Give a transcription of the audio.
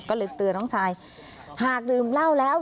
ก็เลยเตือนน้องชายหากดื่มเหล้าแล้ว